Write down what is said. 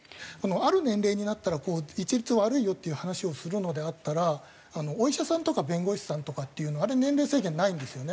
ある年齢になったら一律悪いよっていう話をするのであったらお医者さんとか弁護士さんとかっていうのはあれ年齢制限ないんですよね。